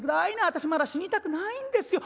あたしまだ死にたくないんですよ。